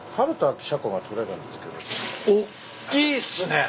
おっきいっすね。